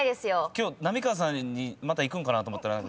今日浪川さんにまたいくのかなと思ったら。